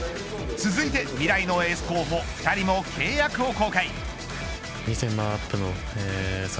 続いて未来のエース候補２人も契約を更改。